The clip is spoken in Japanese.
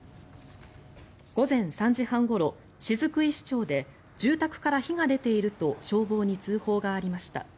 午前３時半ごろ、雫石町で住宅から火が出ていると消防に通報がありました。